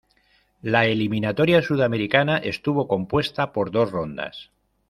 La eliminatoria sudamericana estuvo compuesta por dos rondas.